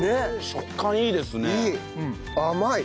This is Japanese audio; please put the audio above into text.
食感いいですね。